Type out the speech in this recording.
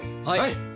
はい！